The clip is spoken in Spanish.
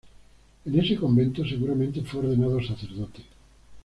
En ese convento seguramente fue ordenado sacerdote.